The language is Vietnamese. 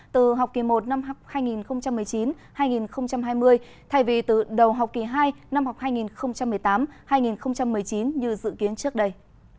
từ học kỳ một năm học hai nghìn một mươi chín hai nghìn hai mươi thay vì từ đầu học kỳ hai năm học hai nghìn một mươi tám hai nghìn một mươi chín như dự kiến trước đây